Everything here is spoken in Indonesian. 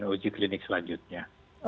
uji klinik selanjutnya